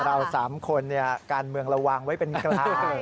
เราสามคนเนี่ยการเมืองเราวางไว้เป็นกราศ